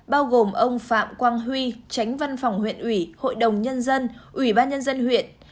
bao gồm ông phạm quang huy tránh văn phòng huyện ủy hội đồng nhân dân ủy ban nhân dân huyện